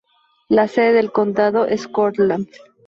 La sede del condado es Cortland.